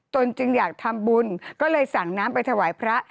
ตนจึงอยากทำบุญก็เลยสั่งน้ำไปถวายพระ